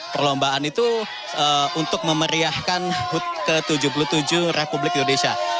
perlombaan itu untuk memeriahkan hud ke tujuh puluh tujuh republik indonesia